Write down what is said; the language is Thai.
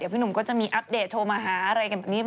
เออเหรอเขาเอามาทำเป็นแบบ